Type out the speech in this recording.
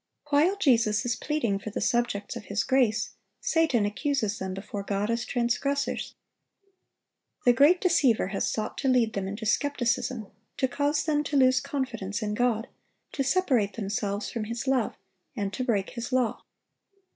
While Jesus is pleading for the subjects of His grace, Satan accuses them before God as transgressors. The great deceiver has sought to lead them into skepticism, to cause them to lose confidence in God, to separate themselves from His love, and to break His law.